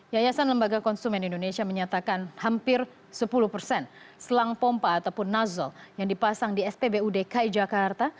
yayasan lembaga konsumen indonesia menyatakan hampir sepuluh persen selang pompa ataupun nozzle yang dipasang di spbu dki jakarta